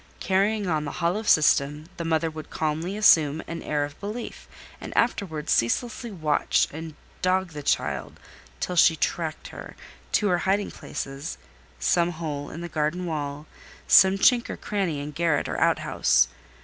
Carrying on the hollow system, the mother would calmly assume an air of belief, and afterwards ceaselessly watch and dog the child till she tracked her: to her hiding places—some hole in the garden wall—some chink or cranny in garret or out house.